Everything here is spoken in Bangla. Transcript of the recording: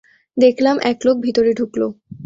দেখলাম এক লোক ভিতরে ঢুকল।